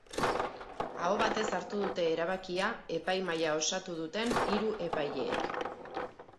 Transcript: Aho batez hartu dute erabakia epaimahaia osatu duten hiru epaileek.